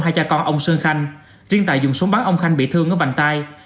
hai cha con ông sơn khanh riêng tài dùng súng bắn ông khanh bị thương ở vành tay